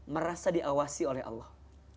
merasa diawasi oleh allah